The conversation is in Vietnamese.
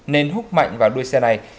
nên húc mạnh vào đuôi xe này